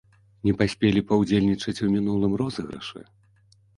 Не паспелі паўдзельнічаць у мінулым розыгрышы?